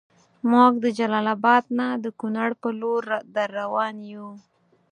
مونږ د جلال اباد نه د کونړ پر لور دروان یو